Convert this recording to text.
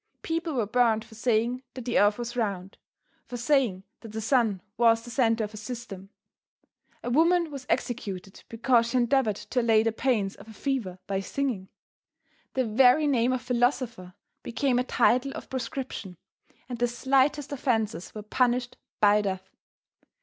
People were burned for saying that the earth was round, for saying that the sun was the center of a system. A woman was executed because she endeavored to allay the pains of a fever by singing. The very name of Philosopher became a title of proscription, and the slightest offences were punished by death.